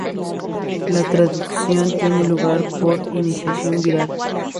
La traducción tiene lugar por iniciación viral.